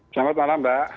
selamat malam mbak